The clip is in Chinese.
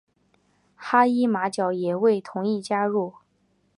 哈伊马角也未同意加入。